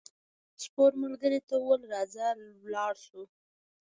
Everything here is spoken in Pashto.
سپور ملګري ته وویل راځه لاړ شو.